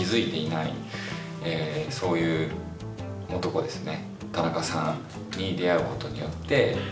そういう男ですね。